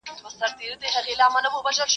ايا بشري ځواک روزل سوی دی؟